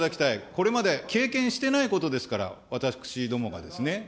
これまで経験してないことですから、私どもがですね。